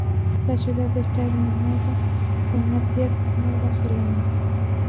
La ciudad está hermanada con Napier, Nueva Zelanda.